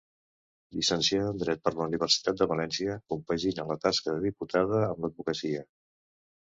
Llicenciada en dret per la Universitat de València, compagina la tasca de diputada amb l'advocacia.